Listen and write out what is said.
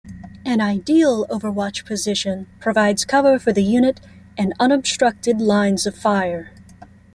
An ideal overwatch position provides cover for the unit, and unobstructed lines of fire.